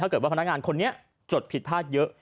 เกิดว่าพนักงานคนนี้จดผิดพลาดเยอะ